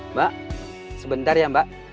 mbak sebentar ya mbak